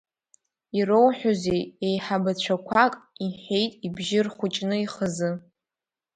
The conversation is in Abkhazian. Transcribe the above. Ироуҳәозеи, еиҳабацәақәак, – иҳәеит ибжьы рхәыҷны ихазы.